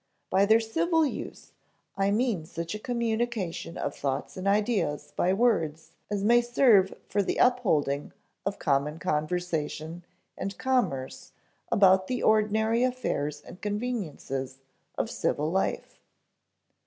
"By their civil use, I mean such a communication of thoughts and ideas by words as may serve for the upholding of common conversation and commerce about the ordinary affairs and conveniences of civil life....